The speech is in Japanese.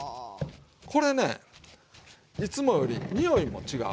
これねいつもよりにおいも違う。